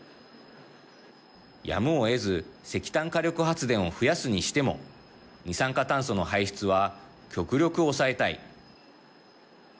やむをえず石炭火力発電を増やすにしても二酸化炭素の排出は極力、抑えたい。